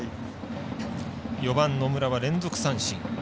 ４番、野村は連続三振。